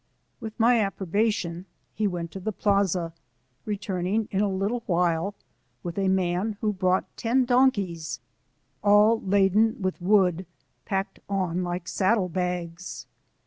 With my approbation he went to the plaza, returning in a little while with a man who brought ten donkeys, all laden with wood packed on like saddle bags.